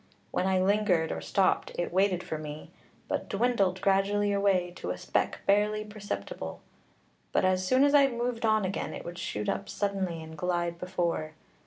When I lingered or stopped, it waited for me, but dwindled gradually away to a speck barely perceptible. But as soon as I moved on again, it would shoot up suddenly and glide before.